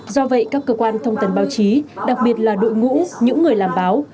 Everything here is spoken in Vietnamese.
do vậy các cơ quan thông tần báo chí đặc biệt là đội ngũ những người làm báo